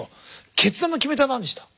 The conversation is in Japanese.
決断の決め手は何でした？